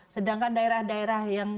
sedangkan daerah daerah yang